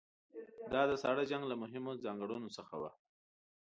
دا د ساړه جنګ له مهمو ځانګړنو څخه وه.